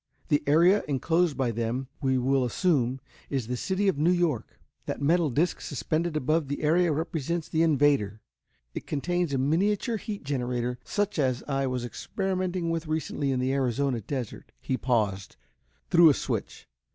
The area enclosed by them, we will assume, is the city of New York. That metal disc suspended above the area represents the invader. It contains a miniature heat generator such as I was experimenting with recently in the Arizona desert." He paused, threw a switch.